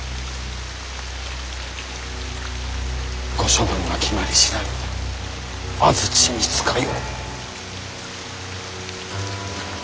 ご処分が決まり次第安土に使いを。